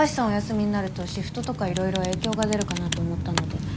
お休みになるとシフトとかいろいろ影響が出るかなと思ったので。